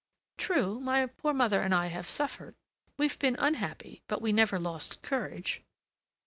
"True, my poor mother and I have suffered. We have been unhappy, but we never lost courage."